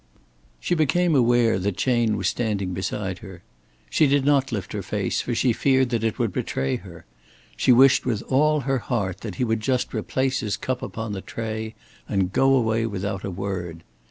She became aware that Chayne was standing beside her. She did not lift her face, for she feared that it would betray her. She wished with all her heart that he would just replace his cup upon the tray and go away without a word.